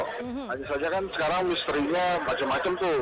hanya saja kan sekarang misterinya macam macam tuh